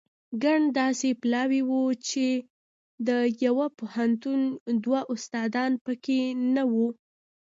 ګڼ داسې پلاوي وو چې د یوه پوهنتون دوه استادان په کې نه وو.